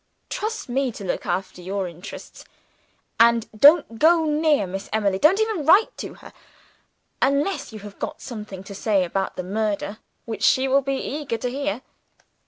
Trust me to look after your interests; and don't go near Miss Emily don't even write to her unless you have got something to say about the murder, which she will be eager to hear.